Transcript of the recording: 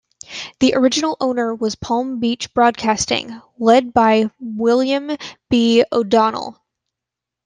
The original owner was Palm Beach Broadcasting, led by William B. O'Donnell.